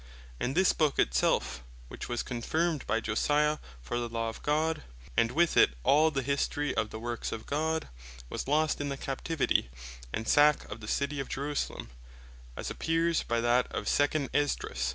And this Book it self, which was confirmed by Josiah for the Law of God, and with it all the History of the Works of God, was lost in the Captivity, and sack of the City of Jerusalem, as appears by that of 2 Esdras 14.